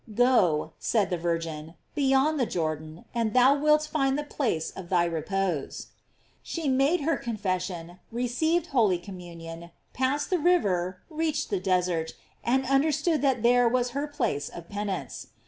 " Go," said the Virgin, " beyond the Jordan, and thou wilt find the place of thy repose." She made her con fession, received holy communion, passed the river, reached the desert, and understood that there was her place of penance.